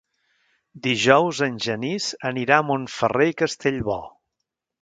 Dijous en Genís anirà a Montferrer i Castellbò.